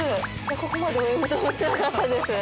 ここまで泳ぐと思ってなかったです。